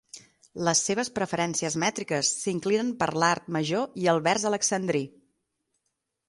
Les seves preferències mètriques s'inclinen per l'art major i el vers alexandrí.